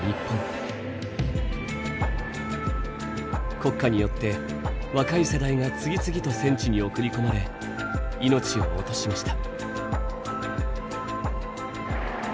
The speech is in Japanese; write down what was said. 国家によって若い世代が次々と戦地に送り込まれ命を落としました。